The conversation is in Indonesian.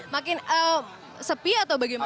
makin sepi atau bagaimana